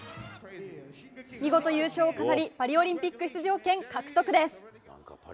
見事優勝を飾り、パリオリンピック出場権獲得です。